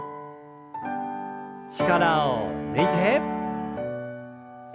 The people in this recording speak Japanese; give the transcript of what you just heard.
力を抜いて。